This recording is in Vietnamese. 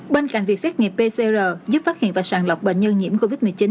bên cạnh việc xét nghiệm pcr giúp phát hiện và sàng lọc bệnh nhân nhiễm covid một mươi chín